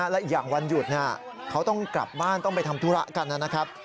และอีกอย่างวันหยุดเขาต้องกลับบ้านต้องไปทำธุระกันนะครับ